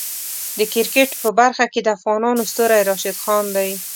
د کرکټ په برخه کې د افغانو ستوری راشد خان دی.